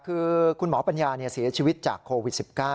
คือคุณหมอปัญญาเสียชีวิตจากโควิด๑๙